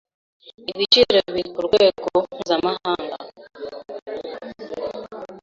ibiciro biri ku rwego mpuzamahanga.”